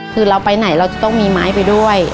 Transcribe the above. คือเราไปไหนเราจะต้องมีไม้ไปด้วย